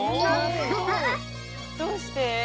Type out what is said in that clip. どうして？